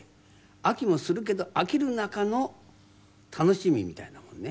飽きもするけど飽きる中の楽しみみたいなもんね。